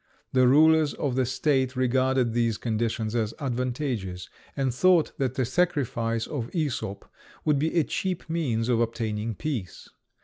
The rulers of the state regarded these conditions as advantageous, and thought that the sacrifice of Æsop would be a cheap means of obtaining peace.